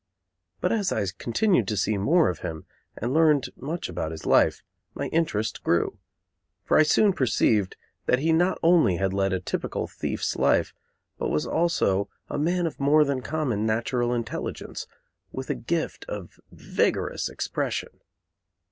But as I continued to see more of him, and learned much about his life, my interest grew; for I soon perceived that he not only had led a typical thief's life, but was also a man of more than common natural intelligence, with a gift of vigorous expression.